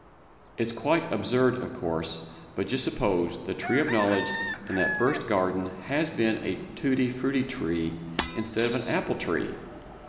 _ It's quite absurd, of course, but just suppose the Tree of Knowledge in that First Garden has been a Tutti Frutti Tree instead of an Apple Tree!